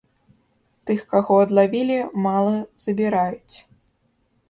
Тых каго адлавілі, мала забіраюць.